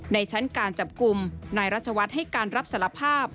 ในชั้นการจับกลุ่มนายรัชวัฒน์ให้การรับสารภาพ